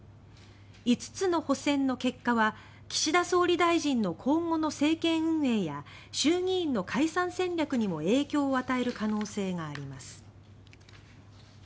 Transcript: ５つの補選の結果は岸田総理大臣の今後の政権運営や衆議院の解散戦略にも影響を与える可能性があります。